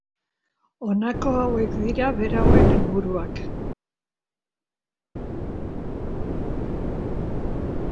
Honako hauek dira berauen helburuak.